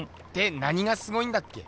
何がすごいんだっけ？